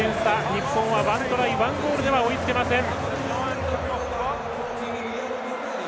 日本は１トライ１ゴールでは追いつけません。